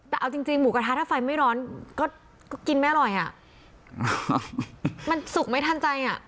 แต่เอาจริงจริงหมูกระทะถ้าไฟไม่ร้อนก็กินไม่อร่อยอ่ะมันสุกไม่ทันใจอ่ะ